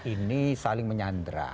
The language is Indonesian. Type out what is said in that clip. ini saling menyandra